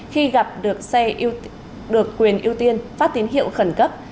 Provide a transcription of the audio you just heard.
khi gặp được xe được quyền ưu tiên phát tín hiệu khẩn cấp